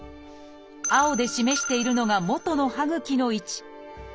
青で示しているのがもとの歯ぐきの位置。